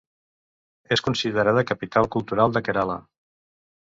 És considerada capital cultural de Kerala.